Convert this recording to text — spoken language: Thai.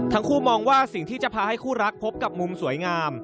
ทั้งคู่มองว่าสิ่งที่จะพาให้คู่รักพบกับมุมสวยงาม